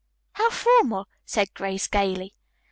"How formal," said Grace gayly.